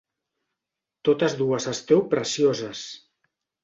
Totes dues esteu precioses...